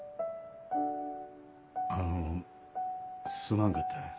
あのすまんかった。